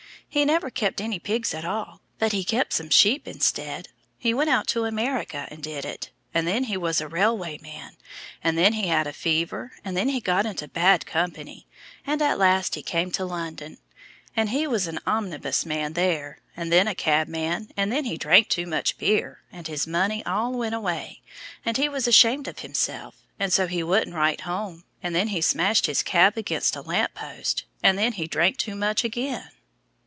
He never kept any pigs at all, but he kept some sheep instead he went out to America and did it and then he was a railway man, and then he had a fever, and then he got into bad company, and at last he came to London, and he was an omnibus man there, and then a cabman, and then he drank too much beer, and his money all went away, and he was ashamed of himself, and so he wouldn't write home, and then he smashed his cab against the lamp post, and then he drank too much again."